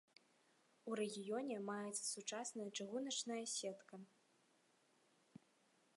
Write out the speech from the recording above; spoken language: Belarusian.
У рэгіёне маецца сучасная чыгуначная сетка.